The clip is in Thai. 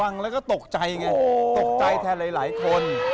ฟังแล้วก็ตกใจไงตกใจแทนหลายคน